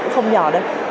không nhỏ đâu